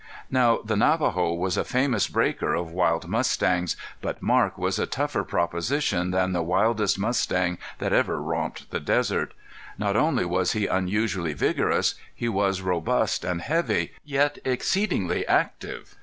Now the Navajo was a famous breaker of wild mustangs, but Marc was a tougher proposition than the wildest mustang that ever romped the desert. Not only was he unusually vigorous; he was robust and heavy, yet exceedingly active.